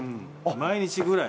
毎日ぐらい。